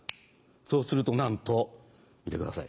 そうするとなんと見てください